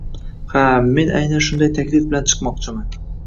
Ha men aynan shunday taklif bilan chiqmoqchiman.